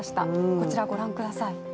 こちら、ご覧ください。